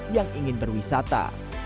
yang ingin berwisata